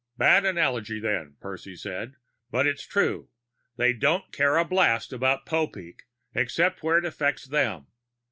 "Bad analogy, then," Percy said. "But it's true. They don't care a blast about Popeek, except where it affects them.